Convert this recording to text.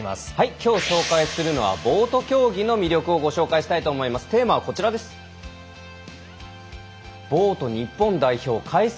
きょう紹介するのはボート競技の魅力をご紹介したいと思います。